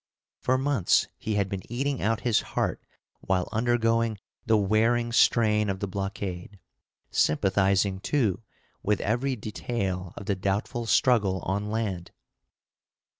For months he had been eating out his heart while undergoing the wearing strain of the blockade; sympathizing, too, with every detail of the doubtful struggle on land.